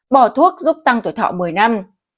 bỏ thuốc giúp tăng tuổi thọ một mươi năm